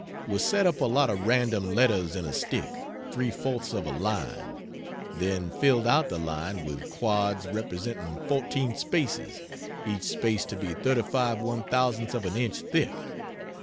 We set up a lot of random letters in a stick three fourths of a line; then filled out the line with quads representing 14 spaces, each space to be 35/1000 of an inch thick.